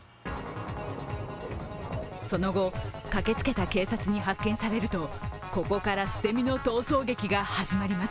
その後、駆けつけた警察に発見されるとここから捨て身の逃走劇が始まります。